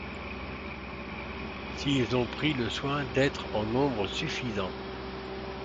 S'ils ont pris le soin d'être en nombre suffisant